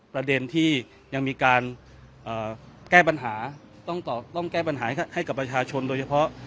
ประเด็นที่ยังมีการแก้ปัญหาต้องแก้ปัญหาให้กับประชาชนโดยเฉพาะ